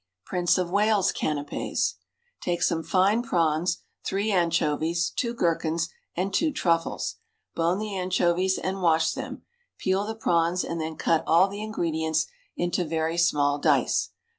Prince of Wales Canapés. Take some fine prawns, three anchovies, two gherkins, and two truffles. Bone the anchovies and wash them, peel the prawns, and then cut all the ingredients into very small dice.